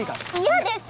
嫌です！